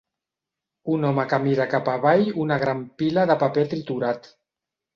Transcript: Un home que mira cap avall una gran pila de paper triturat.